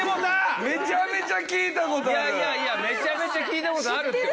めちゃめちゃ聞いた事あるって！